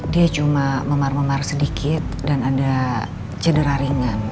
dia cuma memar memar sedikit dan ada cedera ringan